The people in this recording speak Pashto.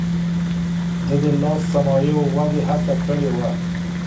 ده د لاس صنايعو ودې هڅه کړې وه.